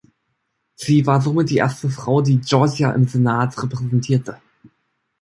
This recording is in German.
Sie war somit die erste Frau, die Georgia im Senat repräsentierte.